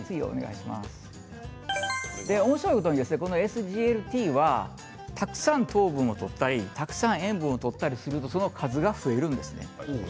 おもしろいことにこのＳＧＬＴはたくさん糖分をとったりたくさん塩分をとったりすると、その数が増えるんです。